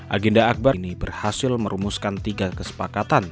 agenda akbar ini berhasil merumuskan tiga kesepakatan